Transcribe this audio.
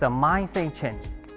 sebagai perubahan pikiran